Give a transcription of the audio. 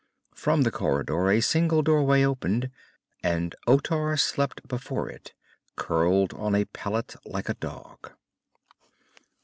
From the corridor a single doorway opened and Otar slept before it, curled on a pallet like a dog.